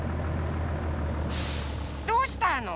どうしたの？